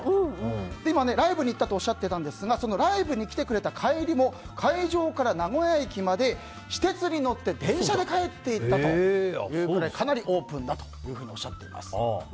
今、ライブに行ったとおっしゃっていましたがライブに来てくれた帰りも会場から名古屋駅まで私鉄に乗って電車で帰っていったなどかなりオープンだとおっしゃっています。